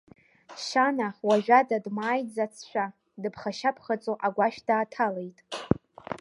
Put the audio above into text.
Шьана, уажәада дмааиӡацшәа, дыԥхашьаԥхаҵо агәашә дааҭалеит.